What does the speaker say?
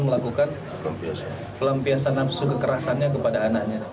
melakukan pelampiasan nafsu kekerasannya kepada anaknya